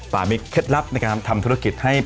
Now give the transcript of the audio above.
มีเคล็ดลับในการทำธุรกิจให้